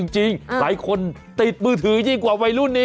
จริงหลายคนติดมือถือยิ่งกว่าวัยรุ่นนี้